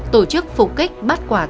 tổ chức phục kích bắt quả tang